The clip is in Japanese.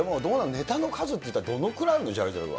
ネタの数っていったら、どのくらいあるの、ジャルジャルは。